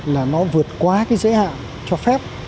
là nó vượt quá cái giới hạn cho phép